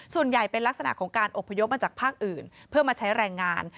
ส่วนใหญ่เป็นลักษณะของการอบพยพมาจากภาคอื่นเพื่อมาใช้แรงงาน